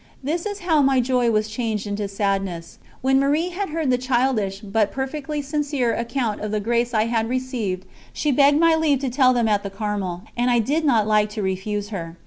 This is how my joy was changed into sadness. When Marie had heard the childish, but perfectly sincere, account of the grace I had received, she begged my leave to tell them at the Carmel, and I did not like to refuse her.